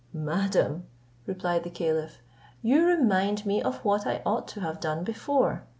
"Madam," replied the caliph, "you remind me of what I ought to have done before.